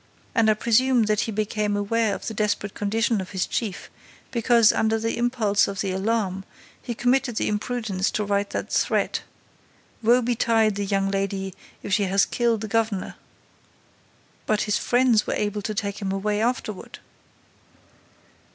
And I presume that he became aware of the desperate condition of his chief, because, under the impulse of his alarm, he committed the imprudence to write that threat: 'Woe betide the young lady, if she has killed the governor!'" "But his friends were able to take him away afterward?"